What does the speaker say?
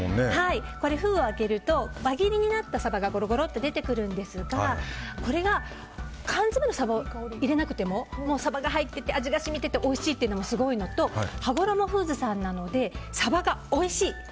これ、封を開けると輪切りになったサバがゴロゴロっと出てくるんですがこれが、缶詰のサバを入れなくてもサバが入ってて、味が染みてておいしいというのもすごいのとはごろもフーズさんなのでサバがおいしい。